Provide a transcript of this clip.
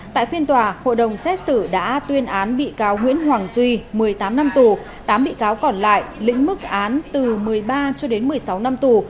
tại phiên tòa hội đồng xét xử đã tuyên án bị cáo nguyễn hoàng duy một mươi tám năm tù tám bị cáo còn lại lĩnh mức án từ một mươi ba cho đến một mươi sáu năm tù